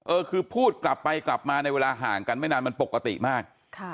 เออคือพูดกลับไปกลับมาในเวลาห่างกันไม่นานมันปกติมากค่ะ